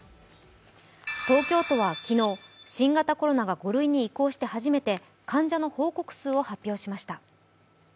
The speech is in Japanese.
東京都は昨日新型コロナが５類に移行して初めて患者の報告数を発表しました。